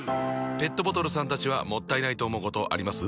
ペットボトルさんたちはもったいないと思うことあります？